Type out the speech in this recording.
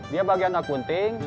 dia bagian akunting